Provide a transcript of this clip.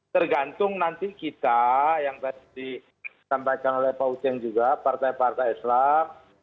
tergantung nanti kita yang tadi disampaikan oleh pak uceng juga partai partai islam